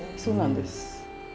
そうなんです。